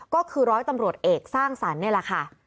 ก็คือร้อยตำรวจเอกสร้างสรรค์นี่แหละค่ะ